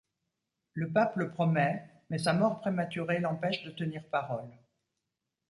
Le pape le promet, mais sa mort prématurée l'empêche de tenir parole.